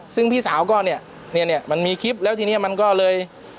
ซึ่งพี่สาวก็เนี่ยเนี่ยมันมีคลิปแล้วทีนี้มันก็เลย